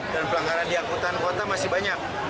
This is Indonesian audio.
dan pelanggaran di angkutan kota masih banyak